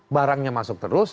barangnya masuk terus